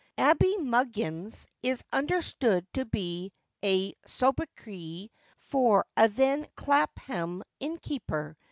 Abey Muggins is understood to be a sobriquet for a then Clapham innkeeper.